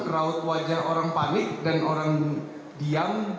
raut wajah orang panik dan orang diam